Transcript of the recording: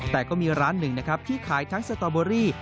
แต่ก็มีร้านหนึ่งนะครับที่ขายทั้งสตอเบอรี่